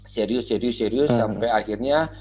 serius serius sampai akhirnya